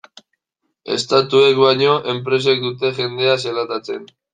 Estatuek baino, enpresek dute jendea zelatatzen.